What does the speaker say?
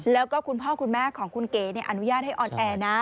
แล้วก็คุณพ่อคุณแม่ของคุณเก๋อนุญาตให้ออนแอร์นะ